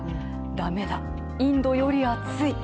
ダメだインドより暑い。